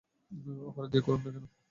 অপরাধ যেই করুক না কেন।